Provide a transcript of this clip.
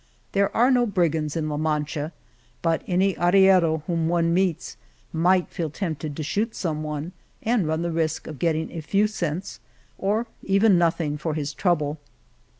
There are no brigands in La Mancha, but any arriero whom one meets might feel tempted to shoot someone, and run the risk of getting a few cents or even nothing for his trouble.